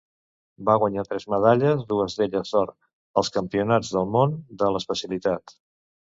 Va guanyar tres medalles, dues d'elles d'or, als Campionats del Món de l'especialitat.